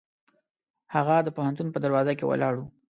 هغه د پوهنتون په دروازه کې ولاړ و.